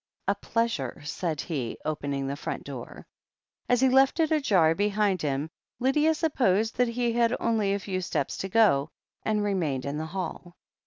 "A pleasure," said he, opening the front door. As he left it ajar behind him, Lydia supposed that he had only a few steps to go, and remained in the hall.